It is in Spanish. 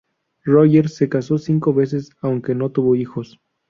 Rogers se casó cinco veces, aunque no tuvo hijos.